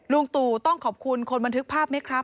ลุงตู่ต้องขอบคุณคนบันทึกภาพไหมครับ